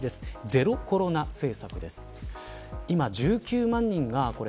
ゼロコロナ政策です。